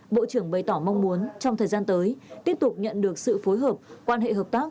bộ trưởng bày tỏ mong muốn trong thời gian tới tiếp tục nhận được sự phối hợp quan hệ hợp tác